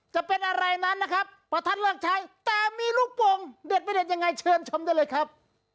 สีสันข่าวเช้าตุ๋จินนิดหนึ่งได้เลยครับ